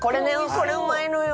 これうまいのよ。